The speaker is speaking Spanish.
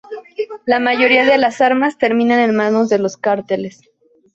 La mayoría de las armas terminan en manos de los cárteles.